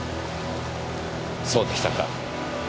そうでしたか。